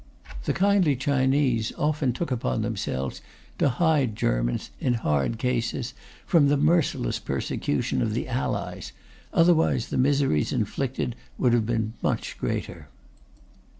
The kindly Chinese often took upon themselves to hide Germans, in hard cases, from the merciless persecution of the Allies; otherwise, the miseries inflicted would have been much greater.